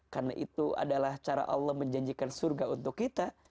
karena itu adalah cara allah menjanjikan surga untuk kita